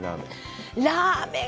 ラーメン。